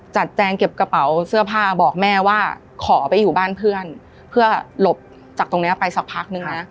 แจงเก็บกระเป๋าเสื้อผ้าบอกแม่ว่าขอไปอยู่บ้านเพื่อนเพื่อหลบจากตรงเนี้ยไปสักพักนึงนะ